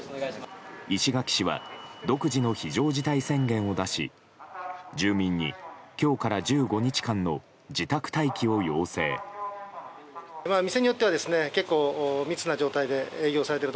石垣市は独自の非常事態宣言を出し住民に今日から１５日間の自宅待機を要請。